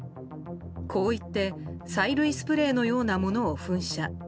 こういって催涙スプレーのようなものを噴射。